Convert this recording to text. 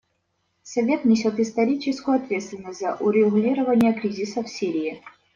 Совет несет историческую ответственность за урегулирование кризиса в Сирии.